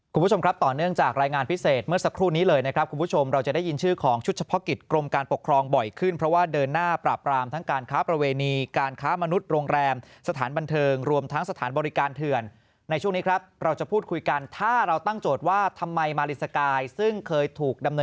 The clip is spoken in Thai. คุณผู้ชมครับต่อเนื่องจากรายงานพิเศษเมื่อสักครู่นี้เลยนะครับคุณผู้ชมเราจะได้ยินชื่อของชุดเฉพาะกิจกรมการปกครองบ่อยขึ้นเพราะว่าเดินหน้าปราบรามทั้งการค้าประเวณีการค้ามนุษย์โรงแรมสถานบันเทิงรวมทั้งสถานบริการเถื่อนในช่วงนี้ครับเราจะพูดคุยกันถ้าเราตั้งโจทย์ว่าทำไมมารินสกายซึ่งเคยถูกดำเนิน